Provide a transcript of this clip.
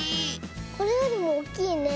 これよりもおっきいね。